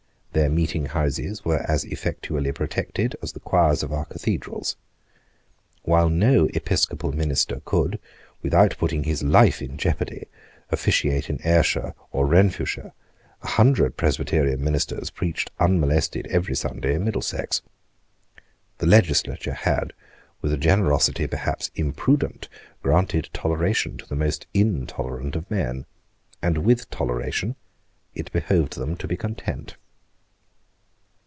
Their meeting houses were as effectually protected as the choirs of our cathedrals. While no episcopal minister could, without putting his life in jeopardy, officiate in Ayrshire or Renfrewshire, a hundred Presbyterian ministers preached unmolested every Sunday in Middlesex. The legislature had, with a generosity perhaps imprudent, granted toleration to the most intolerant of men; and with toleration it behoved them to be content.